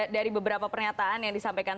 dari beberapa pernyataan yang disampaikan